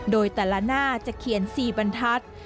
โดยแต่ละหน้าจะเขียน๔บรรทัศน์